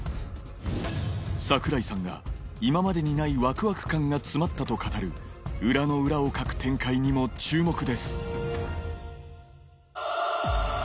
櫻井さんが今までにないワクワク感が詰まったと語る裏の裏をかく展開にも注目です